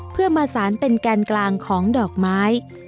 เพื่อมาสารเป็นแกนกลางของดอกไม้